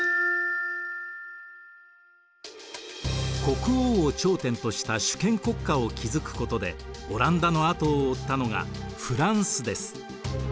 国王を頂点とした主権国家を築くことでオランダの後を追ったのがフランスです。